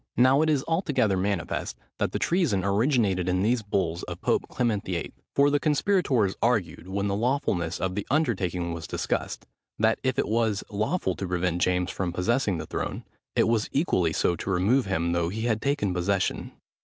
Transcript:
Now it is altogether manifest, that the treason originated in these bulls of Pope Clement VIII.; for the conspirators argued, when the lawfulness of the undertaking was discussed, that if it was lawful to prevent James from possessing the throne, it was equally so to remove him though he had taken possession.